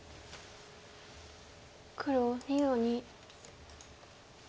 黒２の二。